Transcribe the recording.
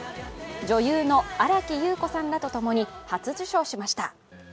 女優の新木優子さんらと共に初受賞しました。